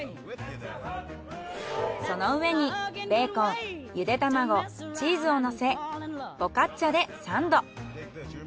その上にベーコンゆで卵チーズをのせフォカッチャでサンド。